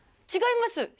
違います。